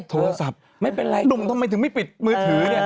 โทรศัพท์ดมทำไมไม่ทิ้งมือถือ